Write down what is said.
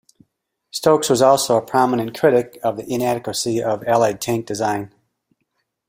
Stokes was also a prominent critic of the inadequacy of Allied tank design.